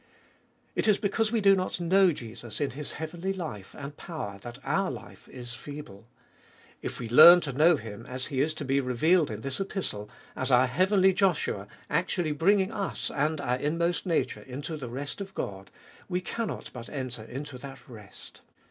It is because we do not know Jesus in His heavenly life and power that our life is feeble ; if we learn to know Him as He is to be revealed in this Epistle, as our heavenly Joshua, actually bringing us and our inmost nature into the rest of God, we cannot but enter into that rest.